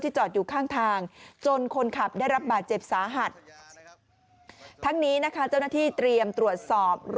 จอดอยู่ข้างทางจนคนขับได้รับบาดเจ็บสาหัส